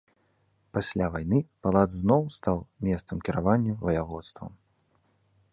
Пасля вайны палац зноў стаў месцам кіравання ваяводствам.